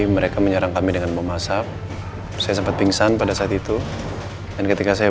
mereka menyerang kami dengan memasak saya sempat pingsan pada saat itu dan ketika saya